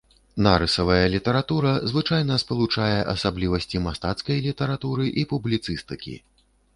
Нарысавая літаратура звычайна спалучае асаблівасці мастацкай літаратуры і публіцыстыкі.